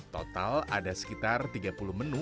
total ada sekitar tiga puluh menu